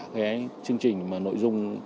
cái chương trình mà nội dung